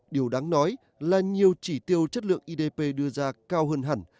điều đáng nói là nhiều chỉ tiêu chất lượng idp đưa ra cao hơn hẳn